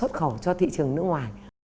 xuất khẩu cho thị trường nước ngoài